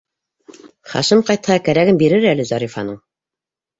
Хашим ҡайтһа, кәрәген бирер әле Зарифаның!